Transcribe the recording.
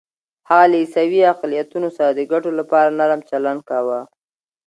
هغه له عیسوي اقلیتونو سره د ګټو لپاره نرم چلند کاوه.